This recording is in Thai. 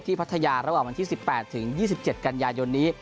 พัทยาระหว่างวันที่๑๘ถึง๒๗กันยายนนี้